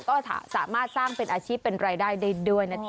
ก็สามารถสร้างเป็นอาชีพเป็นรายได้ได้ด้วยนะจ๊